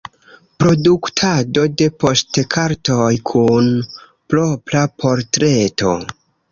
Produktado de poŝtkartoj kun propra portreto.